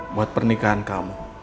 buat pernikahan kamu